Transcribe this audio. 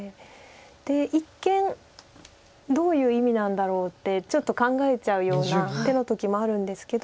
で一見どういう意味なんだろうってちょっと考えちゃうような手の時もあるんですけど。